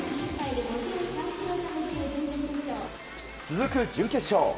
続く準決勝。